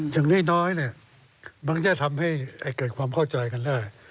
อย่างน้อยมันจะทำให้เกิดความเข้าใจกันได้